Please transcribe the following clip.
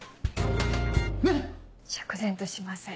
ねっ⁉釈然としません。